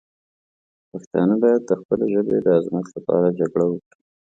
پښتانه باید د خپلې ژبې د عظمت لپاره جګړه وکړي.